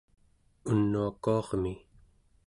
unuakuarmi